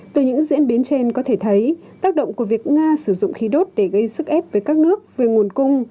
từ những diễn biến trên có thể thấy tác động của việc nga sử dụng khí đốt để gây sức ép với các nước về nguồn cung